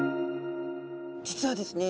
実はですね